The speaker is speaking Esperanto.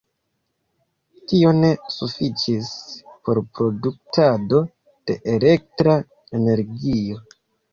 Tio ne sufiĉis por produktado de elektra energio.